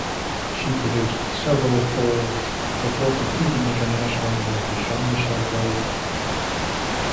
She produced several foals, before competing internationally with Jean-Michael Gaud.